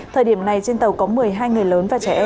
thời điểm này trên tàu có một mươi hai người lớn và trẻ em